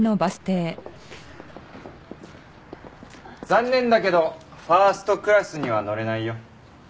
残念だけどファーストクラスには乗れないよ。